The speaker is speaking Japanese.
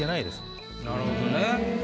なるほどね。